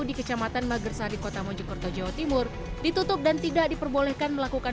di kecamatan magersari kota mojokerto jawa timur ditutup dan tidak diperbolehkan melakukan